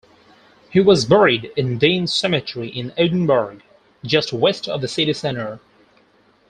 He is buried in Dean Cemetery in Edinburgh, just west of the city centre.